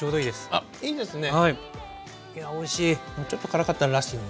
あっそうですね。